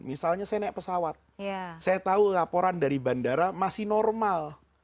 misalnya saya naik pesawat saya tahu laporan dari bandara masih normal